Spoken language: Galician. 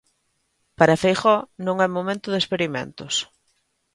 Para Feijóo non é momento de experimentos.